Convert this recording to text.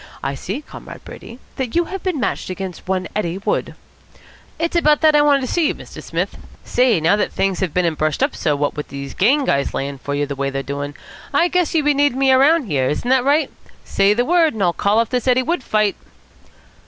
I see, Comrade Brady, that you have been matched against one Eddie Wood." "It's about that I wanted to see you, Mr. Smith. Say, now that things have been and brushed up so, what with these gang guys layin' for you the way they're doin', I guess you'll be needin' me around here. Isn't that right? Say the word and I'll call off this Eddie Wood fight."